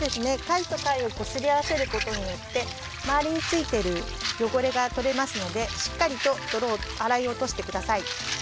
かいとかいをこすりあわせることによってまわりについてるよごれがとれますのでしっかりとどろをあらいおとしてください。